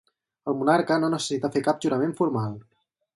El monarca no necessita fer cap jurament formal.